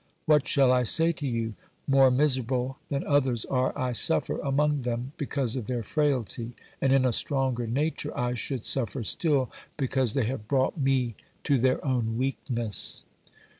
What shall I say to you ? more miserable than others are, I suffer among them, because of their frailty, and in a stronger nature I should suffer still, because they have brought me to their own weakness.